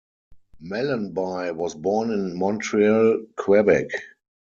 Mellanby was born in Montreal, Quebec.